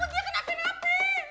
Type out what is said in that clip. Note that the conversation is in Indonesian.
gue takut dia kena api api